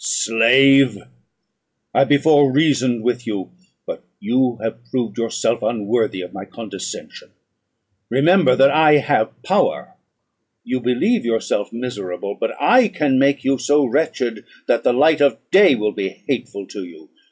"Slave, I before reasoned with you, but you have proved yourself unworthy of my condescension. Remember that I have power; you believe yourself miserable, but I can make you so wretched that the light of day will be hateful to you.